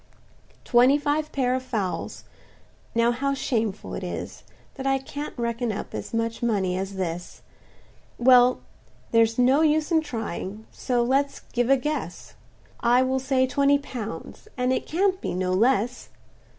"Twenty five pair of fowls—now how shameful it is, That I can't reckon up as much money as this! Well, there's no use in trying; so let's give a guess; I will say twenty pounds, and it can't be no less.